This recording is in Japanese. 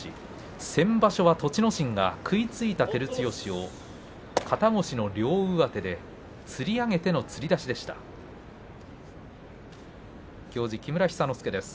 先場所は栃ノ心が食いついた照強を肩越しの両上手でつり上げてつり出しで勝っています。